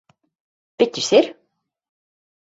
Piķis ir?